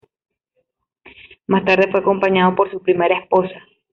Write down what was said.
Más tarde fue acompañado por su primera esposa.